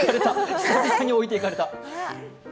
久々に置いていかれた。